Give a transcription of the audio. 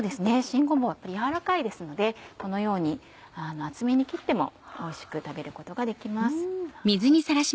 新ごぼうって柔らかいですのでこのように厚めに切ってもおいしく食べることができます。